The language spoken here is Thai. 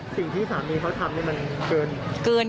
สิ่งที่สามีเขาทำนี่มันเกิน